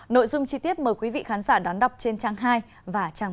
nội dung chi tiết mời quý vị khán giả đón đọc trên trang hai và trang một